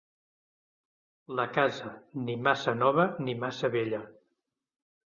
La casa, ni massa nova ni massa vella.